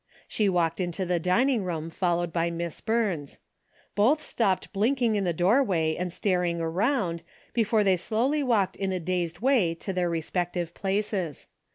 She walked into the dining room followed by Miss Burns. Both stopped blinking in the doorway and staring around, before they slowly walked in a dazed way to their respective places.